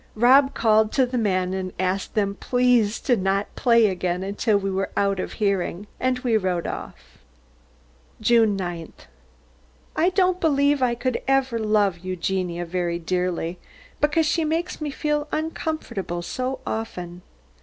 Rob called to the men and asked them please not to play again until we were out of hearing, and we rode off. JUNE 9th. I don't believe that I could ever love Eugenia very dearly, because she makes me feel uncomfortable so often.